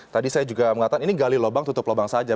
tadi saya juga mengatakan ini gali lubang tutup lubang saja